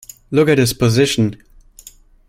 Look at his position.